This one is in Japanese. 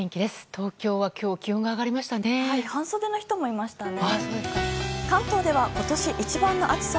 東京は今日気温が上がりましたね。